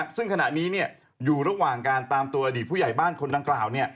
ซึ่งขณะนี้อยู่ระหว่างการตามตัวอดีตผู้ใหญ่บ้านคนดังกล่าว